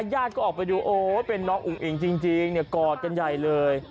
ญาติก็ออกไปดูโหเป็นน้องอุ้งอิงจริงเนี่ยกอดเย็นใหญ่เลย